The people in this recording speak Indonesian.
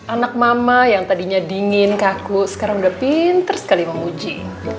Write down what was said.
anak mama yang tadinya dingin kaku sekarang udah pinter sekali memuji